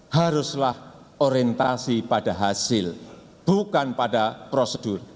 haruslah orientasi pada hasil bukan pada prosedur